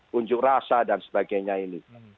kunjuk rasa dan sebagainya ini